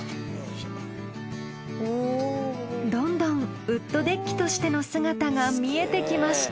どんどんウッドデッキとしての姿が見えてきました。